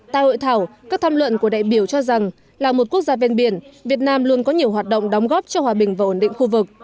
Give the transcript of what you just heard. tại hội thảo các tham luận của đại biểu cho rằng là một quốc gia ven biển việt nam luôn có nhiều hoạt động đóng góp cho hòa bình và ổn định khu vực